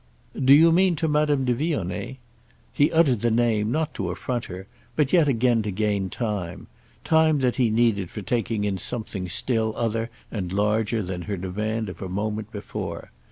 "Do you mean to Madame de Vionnet?" He uttered the name not to affront her, but yet again to gain time—time that he needed for taking in something still other and larger than her demand of a moment before.